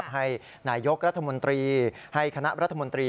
ให้นายกรัฐมนตรีให้คณะรัฐมนตรี